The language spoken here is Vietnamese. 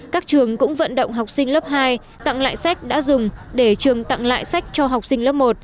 các trường cũng vận động học sinh lớp hai tặng lại sách đã dùng để trường tặng lại sách cho học sinh lớp một